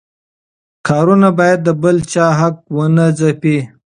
کارونه باید د بل چا حق ونه ځپي.